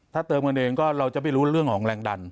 ถ้าเติมกันเองก็เราจะไม่รู้เรื่องของแรงดัน